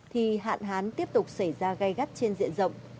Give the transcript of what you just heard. thì hạn hán tiếp tục xảy ra gai gắt trên diện rộng